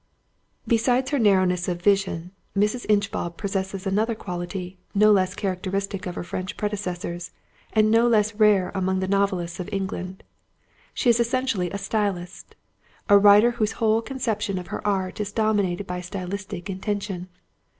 Besides her narrowness of vision, Mrs. Inchbald possesses another quality, no less characteristic of her French predecessors, and no less rare among the novelists of England. She is essentially a stylist—a writer whose whole conception of her art is dominated by stylistic intention.